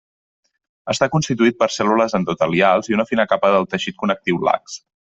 Està constituït per cèl·lules endotelials i una fina capa del teixit connectiu lax.